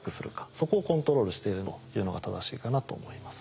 そこをコントロールしているというのが正しいかなと思います。